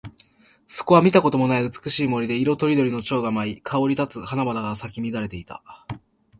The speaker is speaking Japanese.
そこは見たこともない美しい森で、色とりどりの蝶が舞い、香り立つ花々が咲き乱れていた。